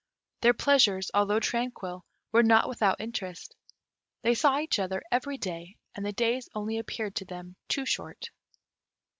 Their pleasures, although tranquil, were not without interest: they saw each other every day, and the days only appeared to them too short.